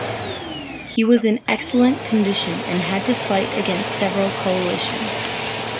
He was in excellent condition and had to fight against several coalitions.